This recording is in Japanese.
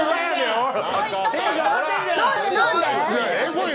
おい！